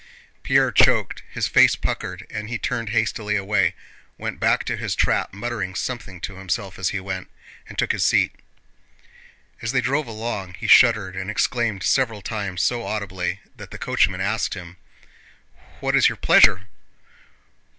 Pierre choked, his face puckered, and he turned hastily away, went back to his trap muttering something to himself as he went, and took his seat. As they drove along he shuddered and exclaimed several times so audibly that the coachman asked him: "What is your pleasure?"